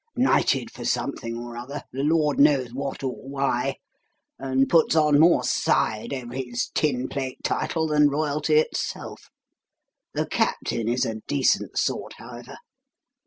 Knighted for something or other the Lord knows what or why and puts on more side over his tin plate title than Royalty itself. The Captain is a decent sort, however.